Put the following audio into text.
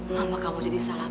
mama kamu jadi salah